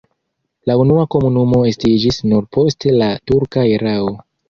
La unua komunumo estiĝis nur post la turka erao.